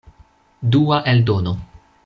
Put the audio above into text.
Dua eldono.